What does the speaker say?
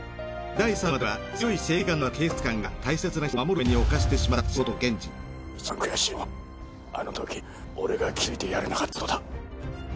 第３話では強い正義感のある警察官が大切な人を守るために犯してしまったいちばん悔しいのはあのとき俺が気づいてやれなかったことだ。